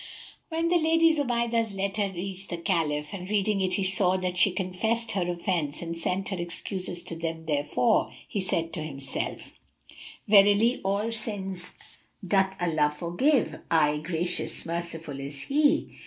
When the Lady Zubaydah's letter reached the Caliph, and reading it he saw that she confessed her offence and sent her excuses to him therefor, he said to himself, "Verily, all sins doth Allah forgive; aye, Gracious, Merciful is He!"